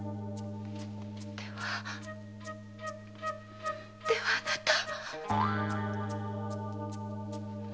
ではではあなたは。